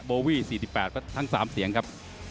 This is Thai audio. โบวี่๔๘ก็ทั้ง๓เสียงครับ